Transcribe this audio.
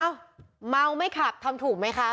เห้าเม้าไม่ขับทำถูกมั้ยคะ